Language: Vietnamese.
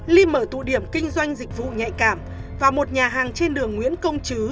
ly mở tụ điểm kinh doanh dịch vụ nhạy cảm vào một nhà hàng trên đường nguyễn công chứ